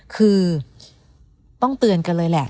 คือต้องเตือนกันเลยแหละ